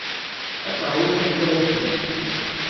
Ad teṛwum tiḥlawatin.